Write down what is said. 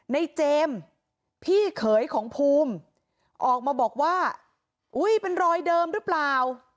ในเจมส์พี่เขยของภูมิออกมาบอกว่าอุ้ยเป็นรอยเดิมหรือเปล่า